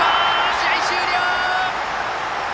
試合終了！